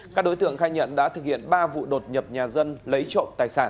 các đối tượng khai nhận đã thực hiện ba vụ đột nhập nhà dân lấy trộm tài sản